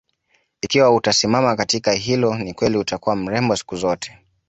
Ikiwa utasimama katika hilo ni kweli utakuwa mrembo siku zote